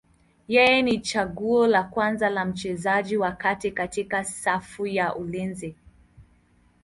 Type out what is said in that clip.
Yeye ni chaguo la kwanza la mchezaji wa kati katika safu ya ulinzi.